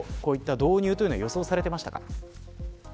導入というのは予想されていましたか。